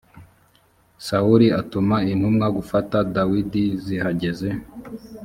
sawuli atuma intumwa gufata dawidi zihageze